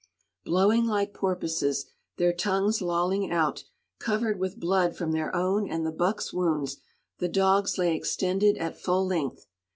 Blowing like porpoises, their tongues lolling out, covered with blood from their own and the buck's wounds, the dogs lay extended at full length.